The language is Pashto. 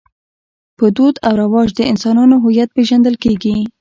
په دود او رواج د انسانانو هویت پېژندل کېږي.